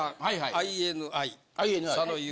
ＩＮＩね。